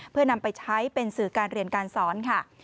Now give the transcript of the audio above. เพื่อนำไปใช้เป็นสื่อการเรียนการสอนค่ะ